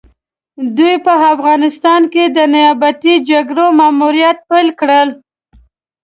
دوی په افغانستان کې د نيابتي جګړې ماموريت پيل کړ.